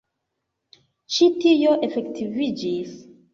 Ĉi tio efektiviĝis.